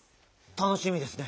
たのしみですね。